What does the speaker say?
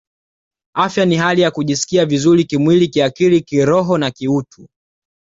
Afya ni hali ya kujisikia vizuri kimwili kiakili kiroho na kiutu